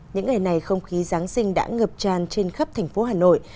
những ngày này không khí giáng sinh đã ngập tràn trên khắp thành phố hà nội